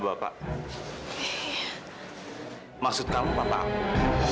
bapak maksud kamu